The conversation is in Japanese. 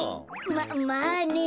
ままあね。